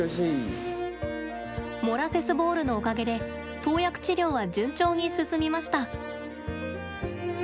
モラセスボールのおかげで投薬治療は順調に進みました。